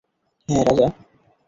হ্যাঁ, রাজা।